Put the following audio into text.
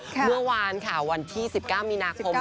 เมื่อวานค่ะวันที่๑๙มีนาคม